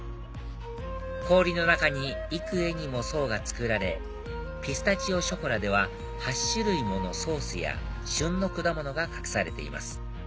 氷の中に幾重にも層が作られピスタチオショコラでは８種類ものソースや旬の果物が隠されています